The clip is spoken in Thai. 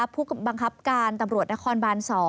พวกบังคับการตำรวจนครบันตร์๒